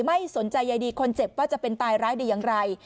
ไม่สนใจใยดีคนเจ็บว่าจะเป็นตายร้ายดีอย่างไร